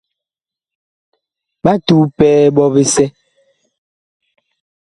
Ɓa tuu pɛɛ ɓɔ bisɛ.